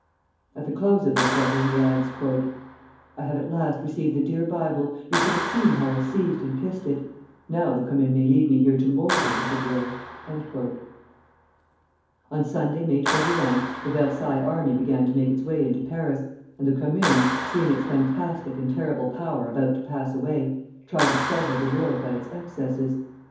At the close of this letter he adds, "I have at last received the dear Bible. You should have seen how I seized and kissed it! Now the Commune may leave me here to moulder, if it will!" On Sunday, May 21, the Versailles army began to make its way into Paris, and the Commune, seeing its fantastic and terrible power about to pass away, tried to startle the world by its excesses.